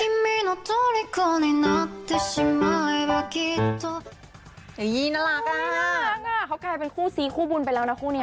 น่ารักอ่ะเขากลายเป็นคู่ซีคู่บุญไปแล้วนะคู่เนี่ย